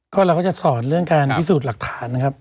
ก็เราก็จะสอนเรื่องการพิสูจน์หลักฐานนะครับ